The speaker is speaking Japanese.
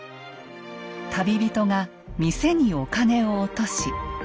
旅人が店にお金を落とし